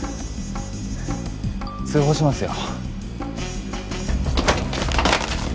通報しますよ。